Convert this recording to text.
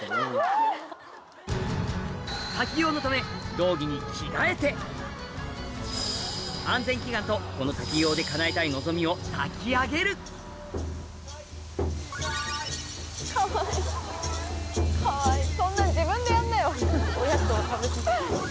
滝行のため道着に着替えて安全祈願とこの滝行で叶えたい望みをたき上げるかわいいそんなん自分でやんなよ。